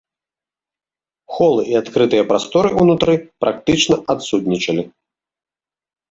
Холы і адкрытыя прасторы ўнутры практычна адсутнічалі.